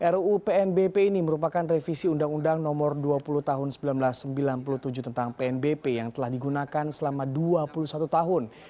ruu pnbp ini merupakan revisi undang undang nomor dua puluh tahun seribu sembilan ratus sembilan puluh tujuh tentang pnbp yang telah digunakan selama dua puluh satu tahun